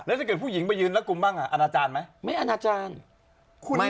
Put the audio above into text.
แล้วถ้าเกิดผู้หญิงไปยืนแล้วกลุมบ้างอ่ะอันอาจารย์มั้ย